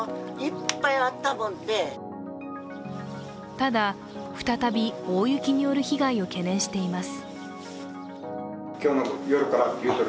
ただ、再び大雪による被害を懸念しています。